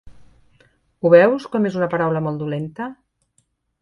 Ho veus, com és una paraula molt dolenta!